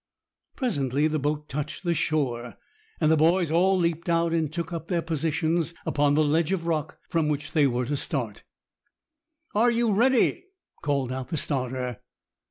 Presently the boat touched the shore, and the boys all leaped out and took up their positions upon the ledge of rock from which they were to start. "Are you ready?" called out the starter.